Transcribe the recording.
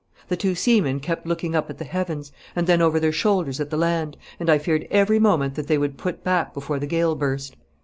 The two seamen kept looking up at the heavens, and then over their shoulders at the land, and I feared every moment that they would put back before the gale burst.